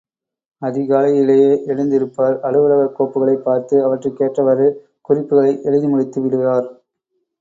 அதிகாலையிலே எழுந்திருப்பார், அலுவலகக் கோப்புகளைப் பார்த்து அவற்றிற்கேற்றவாறு குறிப்புகளை எழுதி முடித்து விடுவார்.